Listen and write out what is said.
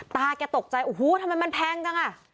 แกตกใจโอ้โหทำไมมันแพงจังอ่ะ